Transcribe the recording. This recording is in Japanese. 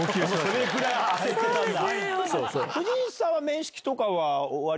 それぐらい焦ってたんだ。